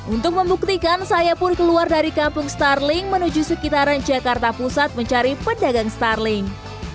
untuk membuktikan saya pun keluar dari kampung starling menuju sekitaran jakarta pusat mencari pedagang starling